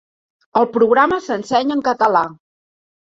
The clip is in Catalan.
El programa s'ensenya en castellà.